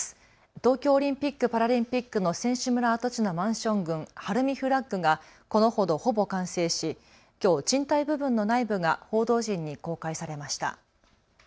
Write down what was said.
東京オリンピック・パラリンピックの選手村跡地のマンション群、晴海フラッグがこのほどほぼ完成しきょう賃貸部分の内部が報道陣に公開されました。